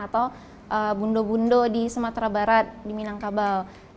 atau bundo bundo di sumatera barat di minangkabau